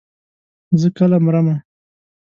زه کله مرمه.